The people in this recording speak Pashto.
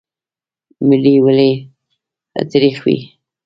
ملی ولې تریخ وي؟